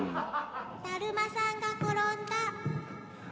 だるまさんがころんだ。